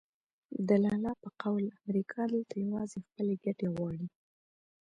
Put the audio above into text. د لالا په قول امریکا دلته یوازې خپلې ګټې غواړي.